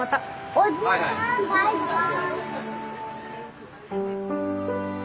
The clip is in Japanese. おじさんバイバイ。